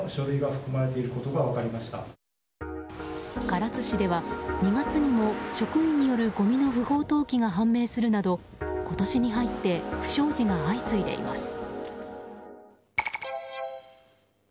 唐津市では２月にも職員によるごみの不法投棄が判明するなど今年に入って不祥事が相次いでいます。